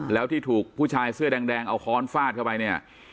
แล้วที่ถูกผู้ชายเสื้อแดงเอาค้อนฟาดเข้าไปเนี่ย